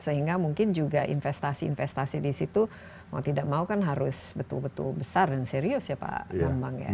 sehingga mungkin juga investasi investasi di situ mau tidak mau kan harus betul betul besar dan serius ya pak bambang ya